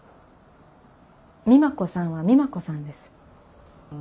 美摩子さんは美摩子さんです。